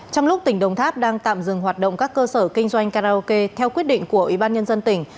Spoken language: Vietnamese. trong lúc tỉnh đồng tháp đang tạm dừng hoạt động các cơ sở kinh doanh karaoke theo quyết định của ủy ban nhân dân tỉnh